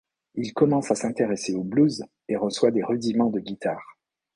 Il commence à s'intéresser au blues et reçoit des rudiments de guitare.